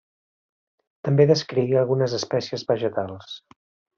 També descrigué algunes espècies vegetals.